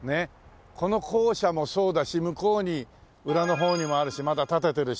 この校舎もそうだし向こうに裏の方にもあるしまだ建ててるし。